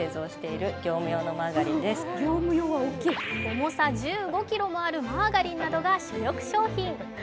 重さ１５ｋｇもあるマーガリンなどが主力商品。